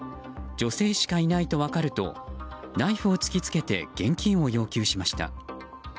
女性しかいないと分かるとナイフを突きつけて現金を要求しました。